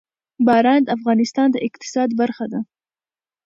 باران د افغانستان د اقتصاد برخه ده.